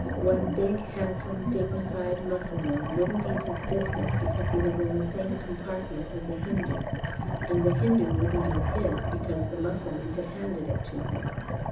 One big, handsome, dignified Mussulman wouldn't eat his biscuit because he was in the same compartment as a Hindu, and the Hindu wouldn't eat his because the Mussulman had handed it to him.